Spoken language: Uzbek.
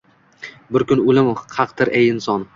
Bir kun ulim xaqdir ey inson